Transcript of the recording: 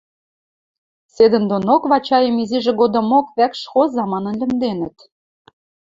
Седӹндонок Вачайым изижӹ годымок «вӓкш хоза» манын лӹмденӹт.